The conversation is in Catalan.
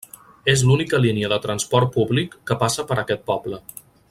És l'única línia de transport públic que passa per aquest poble.